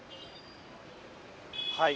はい。